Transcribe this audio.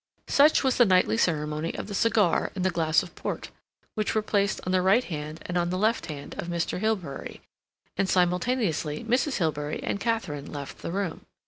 Such was the nightly ceremony of the cigar and the glass of port, which were placed on the right hand and on the left hand of Mr. Hilbery, and simultaneously Mrs. Hilbery and Katharine left the room.